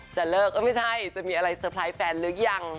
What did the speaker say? จะเลิกเออไม่ใช่จะมีอะไรเซอร์ไพรส์แฟนหรือยัง